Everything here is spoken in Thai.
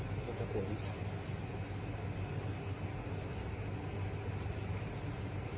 ติดลูกคลุม